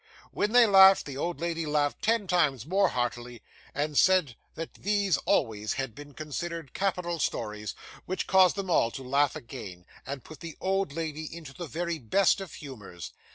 When they laughed, the old lady laughed ten times more heartily, and said that these always had been considered capital stories, which caused them all to laugh again, and put the old lady into the very best of humours.